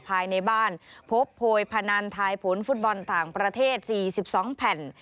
ภายในบ้านพบโพยพนันทายผลฟุตบอลต่างประเทศ๔๒แผ่น